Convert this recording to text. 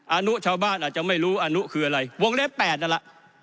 อาหนุชาวบ้านอาจจะไม่รู้อาหนุคืออะไรวงเล็กแปดนั่นล่ะ